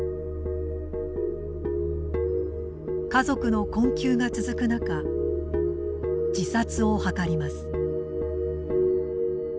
家族の困窮が続く中自殺を図ります。